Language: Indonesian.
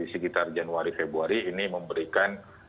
sekitar januari februari ini memberikan